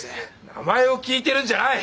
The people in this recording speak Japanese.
名前を聞いてるんじゃない！